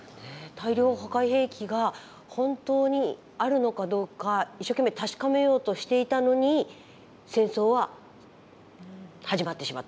大量破壊兵器が本当にあるのかどうか一生懸命確かめようとしていたのに戦争は始まってしまった。